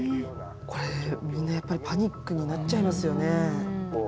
これみんなやっぱりパニックになっちゃいますよね。